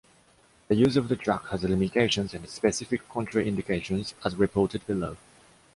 The use of the drug has limitations and specific contraindications as reported below.